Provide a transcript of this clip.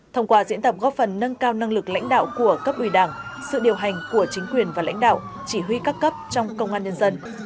thông qua diễn tập góp phần nâng cao năng lực lãnh đạo của cấp ủy đảng sự điều hành của chính quyền và lãnh đạo chỉ huy các cấp trong công an nhân dân